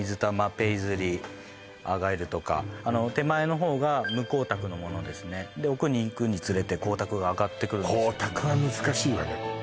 ペイズリーアーガイルとかあの手前の方が無光沢のものですねで奥に行くにつれて光沢が上がってくる光沢は難しいわね